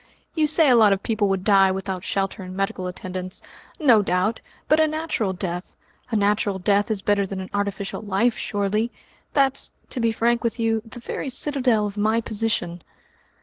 You say a lot of people would die without shelter and medical attendance! No doubt but a natural death. A natural death is better than an artificial life, surely? That's to be frank with you the very citadel of my position."